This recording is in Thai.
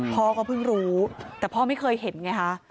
พ่อก็เพิ่งรู้แต่พ่อไม่เคยเห็นไงคะ